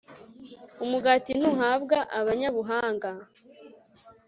umugati ntuhabwa abanyabuhanga